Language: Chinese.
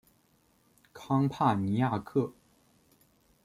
康帕尼亚克。